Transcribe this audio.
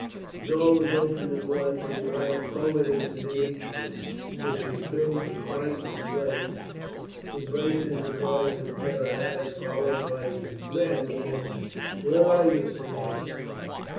The door was opened at once, and he ran forward into the atrium, which was filled with frightened slaves, who burst into cries of terror as, followed by his men, he entered. "Where are you, Cneius?"